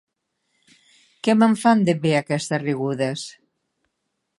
Que me'n fan, de bé, aquestes rigudes.